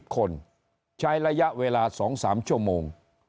คนใช้ระยะเวลา๒๓ชั่วโมง